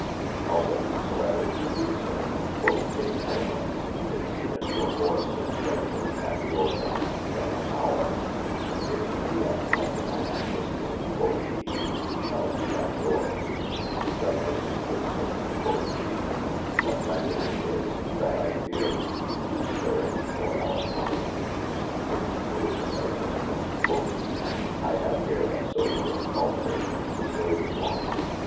How ready so ever you be servaunt, quod dame Elynor, it seemeth your horse is readier at your commaunde then at oures. If he bee at my commaund Mistresse (quod he) he shall be at yours. Gramercye good servaunte (quod shee) but my meanyng is, that I feare he be to stirring for our copany. If he prove so mistres (quod he) I have here a soberer palfray to serve you on.